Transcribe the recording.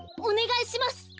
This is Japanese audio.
おねがいします！